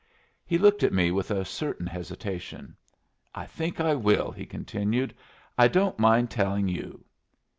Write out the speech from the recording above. He looked at me with a certain hesitation. "I think I will," he continued. "I don't mind tellin' you."